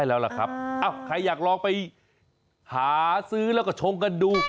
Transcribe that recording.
แล้วล่ะครับใครอยากลองไปหาซื้อแล้วก็ชงกันดู